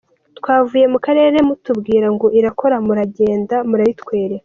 Twavuye ku karere mutubwira ngo irakora muragenda murayitwereka.